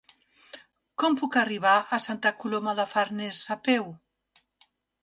Com puc arribar a Santa Coloma de Farners a peu?